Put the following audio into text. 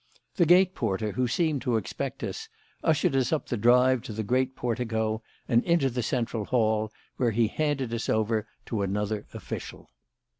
The gate porter, who seemed to expect us, ushered us up the drive to the great portico and into the Central Hall, where he handed us over to another official.